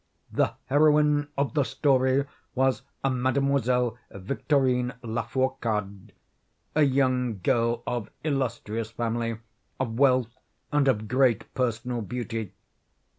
The heroine of the story was a Mademoiselle Victorine Lafourcade, a young girl of illustrious family, of wealth, and of great personal beauty.